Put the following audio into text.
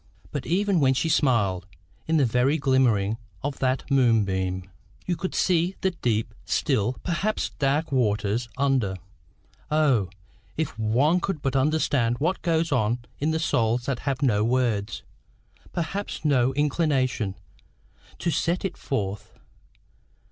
But even when she smiled, in the very glimmering of that moonbeam, you could see the deep, still, perhaps dark, waters under. O! if one could but understand what goes on in the souls that have no words, perhaps no inclination, to set it forth!